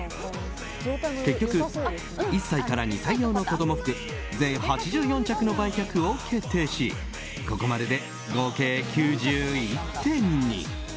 結局、１歳から２歳用の子供服全８４着の売却を決定しここまでで合計９１点に。